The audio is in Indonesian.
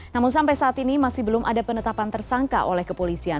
namun sampai saat ini masih belum ada penetapan tersangka oleh kepolisian